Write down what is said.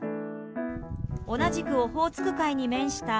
同じくオホーツク海に面した